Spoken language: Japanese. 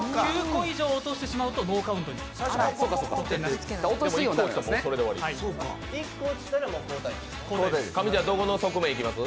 ９個以上落としてしまうとノーカウントになります。